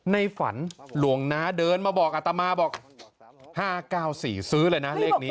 ในฝันหลวงน้าเดินมาบอกอัตมาบอก๕๙๔ซื้อเลยนะเลขนี้